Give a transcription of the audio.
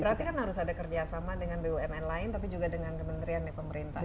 berarti kan harus ada kerjasama dengan bumn lain tapi juga dengan kementerian pemerintah